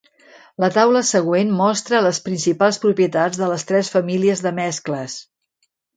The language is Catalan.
La taula següent Mostra les principals propietats de les tres famílies de mescles.